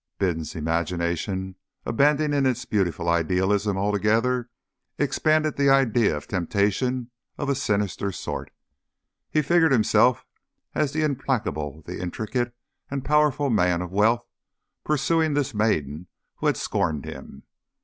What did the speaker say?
Bindon's imagination, abandoning its beautiful idealism altogether, expanded the idea of temptation of a sinister sort. He figured himself as the implacable, the intricate and powerful man of wealth pursuing this maiden who had scorned him.